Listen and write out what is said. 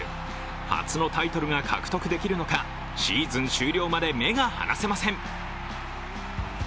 初のタイトルが獲得できるのかシーズン終了まで目が離せません。